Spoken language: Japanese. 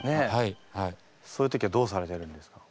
そういう時はどうされてるんですか？